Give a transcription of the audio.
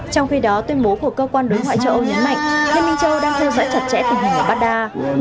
trong khi đó tuyên bố của cơ quan đối ngoại châu âu nhấn mạnh liên minh châu đang theo dõi chặt chẽ tình hình ở baghdad